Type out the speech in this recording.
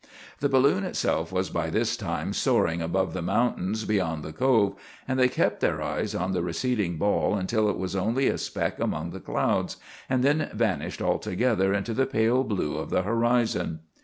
The balloon itself was by this time soaring above the mountains beyond the Cove, and they kept their eyes on the receding ball until it was only a speck among the clouds and then vanished altogether into the pale blue of the horizon.